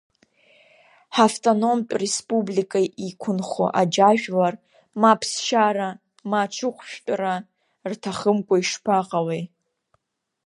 Ҳавтономтә республика иқәынхо аџьажәлар, ма ԥсшьара, ма ҽыхәшәтәра рҭахымкәа ишԥаҟалеи?